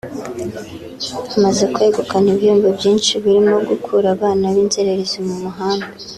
Amaze kwegukana ibihembo byinshi birimo gukura abana b’inzererezi mu muhanda